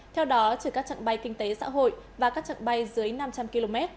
theo đó trừ các trạng bay kinh tế xã hội và các trạng bay dưới năm trăm linh km